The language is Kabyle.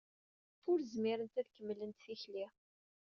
Ur zmirent ad kemmlent tikli.